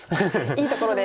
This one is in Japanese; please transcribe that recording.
いいところで。